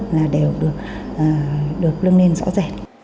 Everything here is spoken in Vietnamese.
là đều được lưng lên rõ ràng